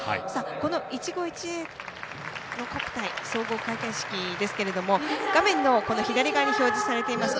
このいちご一会とちぎ国体総合開会式ですけれども画面の左側に表示されています